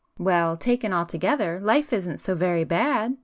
"Well, taken altogether, life isn't so very bad!"